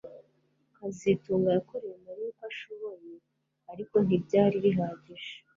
kazitunga yakoreye Mariya uko ashoboye ariko ntibyari bihagije